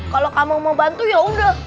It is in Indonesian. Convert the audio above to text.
kalau kamu mau bantu ya udah